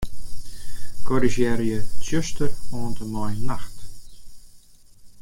Korrizjearje 'tsjuster' oant en mei 'nacht'.